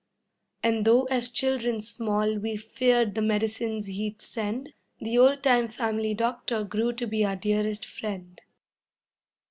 And though as children small we feared the medicines he'd send, The old time family doctor grew to be our dearest friend.